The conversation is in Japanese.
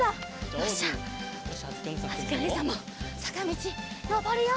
よしじゃああづきおねえさんもさかみちのぼるよ！